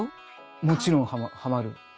もちろんハマる。